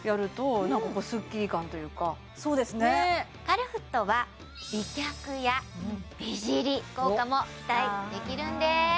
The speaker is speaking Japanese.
カルフットは美脚や美尻効果も期待できるんです